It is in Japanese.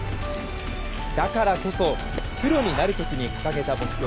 だからこそプロになる時に掲げた目標。